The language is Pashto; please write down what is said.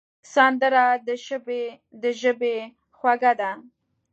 سندره د ژبې خواږه ده